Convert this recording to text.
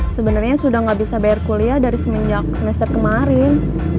sebenarnya sudah nggak bisa bayar kuliah dari semenjak semester kemarin